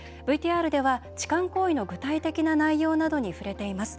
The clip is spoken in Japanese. ＶＴＲでは痴漢行為の具体的な内容などに触れています。